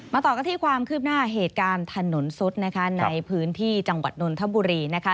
ต่อกันที่ความคืบหน้าเหตุการณ์ถนนซุดนะคะในพื้นที่จังหวัดนนทบุรีนะคะ